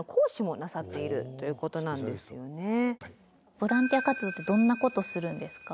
ボランティア活動ってどんなことをするんですか？